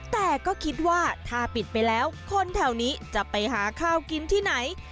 แต่ก็คิดว่าถ้าปิดไปแล้วคนแถวนี้จะไปหาข้าวกินที่ไหน